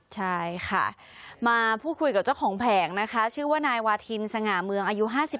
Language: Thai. ใช่ค่ะมาพูดคุยกับเจ้าของแผงนะคะชื่อว่านายวาทินสง่าเมืองอายุ๕๓